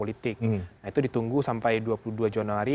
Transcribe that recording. nah itu ditunggu sampai dua puluh dua januari